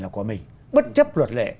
là của mình bất chấp luật lệ